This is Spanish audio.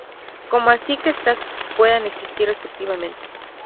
Como así que estas puedan existir respectivamente.